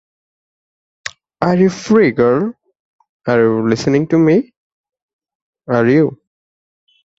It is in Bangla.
তিনি উপনিবেশের স্বাধীনতার পক্ষে কথা বলেন।